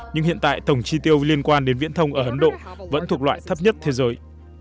nhưng hiện tại tổng chi tiêu liên quan đến viễn thông ở ấn độ vẫn thuộc loại thấp nhất thế giới